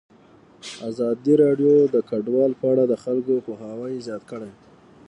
ازادي راډیو د کډوال په اړه د خلکو پوهاوی زیات کړی.